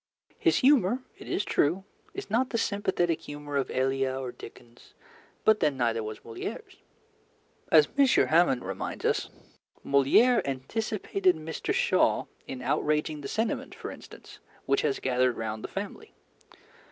His humour, it is true, is not the sympathetic humour of Elia or Dickens; but then neither was Molière's. As M. Hamon reminds us, Molière anticipated Mr. Shaw in outraging the sentiment, for instance, which has gathered round the family.